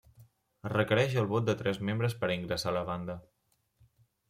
Es requereix el vot de tres membres per a ingressar a la banda.